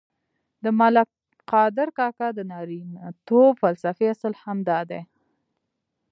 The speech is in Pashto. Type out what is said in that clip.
د ملک قادر کاکا د نارینتوب فلسفې اصل هم دادی.